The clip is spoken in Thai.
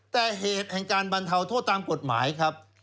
แต่เหตุแห่งการบรรเทาโทษตามกฎหมายครับ